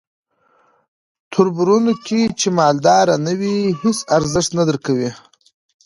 توربرونو کې چې مالداره نه وې هیس ارزښت نه درکوي.